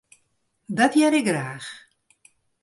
Dat hear ik graach.